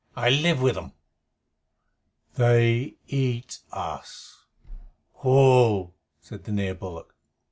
I live with 'em." "They eat us! Pull!" said the near bullock.